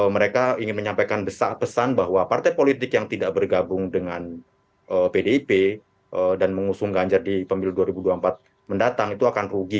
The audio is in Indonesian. mereka ingin menyampaikan pesan bahwa partai politik yang tidak bergabung dengan pdip dan mengusung ganjar di pemilu dua ribu dua puluh empat mendatang itu akan rugi